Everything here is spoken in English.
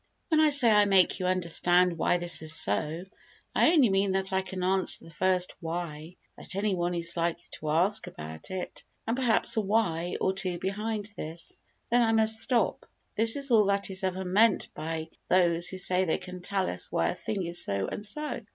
When I say I can make you understand why this is so, I only mean that I can answer the first "why" that any one is likely to ask about it, and perhaps a "why" or two behind this. Then I must stop. This is all that is ever meant by those who say they can tell us why a thing is so and so.